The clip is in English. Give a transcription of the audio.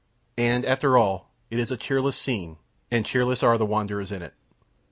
And after all, it is a cheerless scene, and cheerless are the wanderers in it.